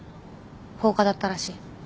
放火だったらしい。